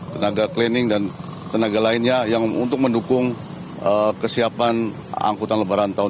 tenaga cleaning dan tenaga lainnya yang untuk mendukung kesiapan angkutan lebaran tahun dua ribu dua puluh